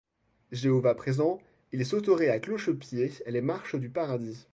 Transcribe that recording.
Jéhovah présent, il sauterait à cloche-pied les marches du paradis.